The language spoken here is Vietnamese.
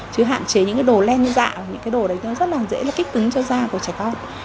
chứ hạn chế những cái đồ len dạ và những cái đồ đấy nó rất là dễ là kích tứng cho da của trẻ con